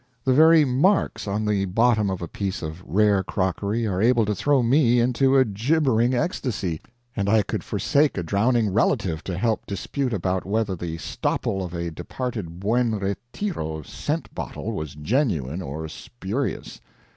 The very "marks" on the bottom of a piece of rare crockery are able to throw me into a gibbering ecstasy; and I could forsake a drowning relative to help dispute about whether the stopple of a departed Buon Retiro scent bottle was genuine or spurious.